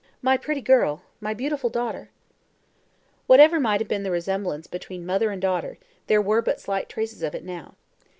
My pretty girl, my beautiful daughter!" Whatever might have been the resemblance between mother and daughter, there were but slight traces of it now.